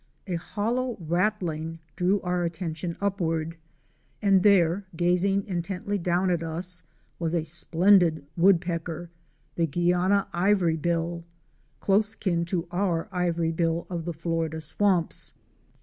A hollow rattling drew our attention upward, and there, gazing intently down at us, was a splendid Wood pecker — the Guiana Ivory bill," of the Florida swamps.